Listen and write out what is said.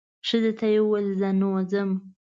ښځې ته یې وویل زه نو ځم.